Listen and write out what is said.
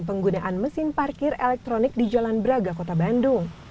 penggunaan mesin parkir elektronik di jalan braga kota bandung